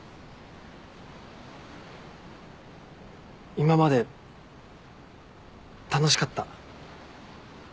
今まで楽しかった。